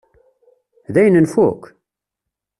Dayen nfukk?